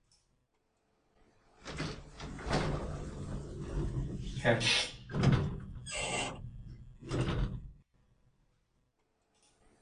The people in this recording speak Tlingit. Kélʼ!